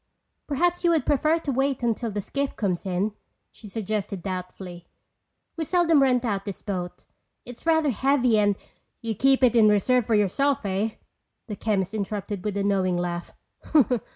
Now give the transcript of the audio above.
"Perhaps you would prefer to wait until the skiff comes in," she suggested doubtfully. "We seldom rent out this boat. It's rather heavy and—" "You keep it in reserve for yourself, eh?" the chemist interrupted with a knowing laugh.